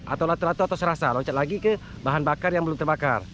atau latuh latuh atau serasa loncat lagi ke bahan bakar yang belum terbakar